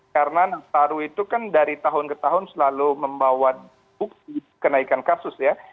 karena nataru itu kan dari tahun ke tahun selalu membawa bukti kenaikan kasus ya